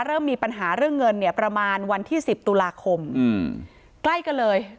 เริ่มมีปัญหาเรื่องเงินเนี่ยประมาณวันที่สิบตุลาคมอืมใกล้กันเลย